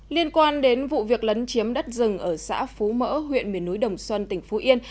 liên quan đến vụ việc lấn chiếm đất rừng ở xã phú mỡ huyện miền núi đồng xuân tỉnh phú yên